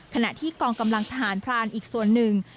ขณะที่กองกำลังทหารพรานอีกส่วนหนึ่ง